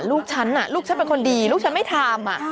ลูกฉันลูกฉันเป็นคนดีลูกฉันไม่ทำ